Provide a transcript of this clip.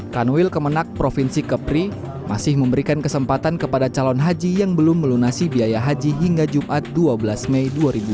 kanwil kemenang provinsi kepri masih memberikan kesempatan kepada calon haji yang belum melunasi biaya haji hingga jumat dua belas mei dua ribu dua puluh